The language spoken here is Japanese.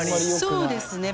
そうですね。